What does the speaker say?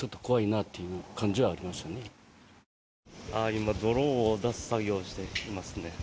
今、泥を出す作業をしていますね。